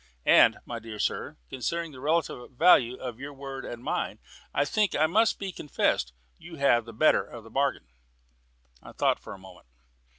And, my dear sir, considering the relative value of your word and mine, I think it must be confessed you have the better of the bargain." I thought for a moment.